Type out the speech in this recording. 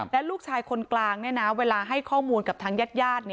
และลูกชายคนกลางเวลาให้ข้อมูลกับทางญาติ